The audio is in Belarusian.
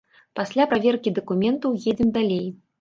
Пасля праверкі дакументаў едзем далей.